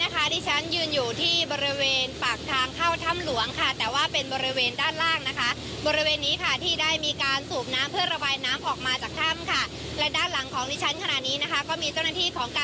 คุณผู้ชมค่ะตอนนี้นะคะดิฉันยืนอยู่ที่บริเวณปากทางเข้าถ้ำหลวงค่ะ